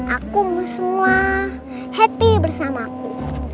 aku semua happy bersamaku